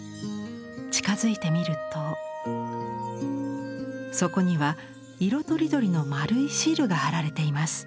近づいてみるとそこには色とりどりの丸いシールが貼られています。